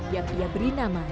yang ia beri nama